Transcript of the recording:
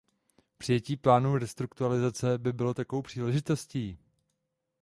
Přijetí plánů restrukturalizace by bylo takovou příležitostí.